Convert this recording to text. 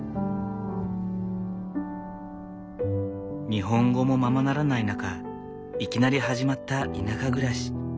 日本語もままならない中いきなり始まった田舎暮らし。